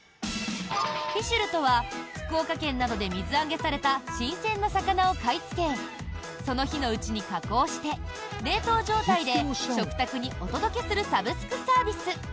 フィシュルとは福岡県などで水揚げされた新鮮な魚を買いつけその日のうちに加工して冷凍状態で食卓にお届けするサブスクサービス。